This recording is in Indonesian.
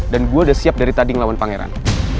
dan gue udah siap dari tadi ngelawan pangeran